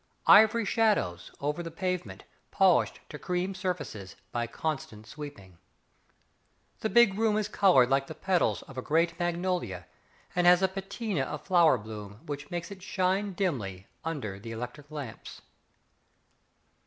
Ivory shadows Over the pavement Polished to cream surfaces By constant sweeping. The big room is coloured like the petals Of a great magnolia, And has a patina Of flower bloom Which makes it shine dimly Under the electric lamps.